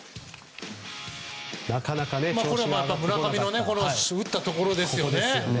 村上が打ったところですよね。